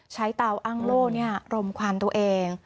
ใช้เตาอ้างโลกโรมความตัวเอง